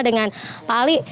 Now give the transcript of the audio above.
dengan pak ali